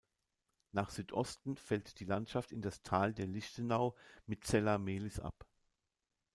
Nach Südosten fällt die Landschaft in das Tal der Lichtenau mit Zella-Mehlis ab.